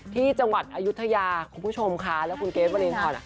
ที่จังหวัดอายุทยาคุณผู้ชมค่ะแล้วคุณเกรทวรินทร